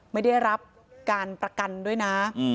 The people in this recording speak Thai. ไม่ได้รับการประกันด้วยนะ